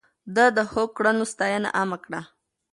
ده د ښو کړنو ستاينه عامه کړه.